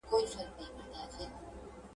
پرنګیانو د غازيانو مقاومت کمزوری نه سوای کړای.